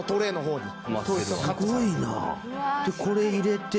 これ入れて。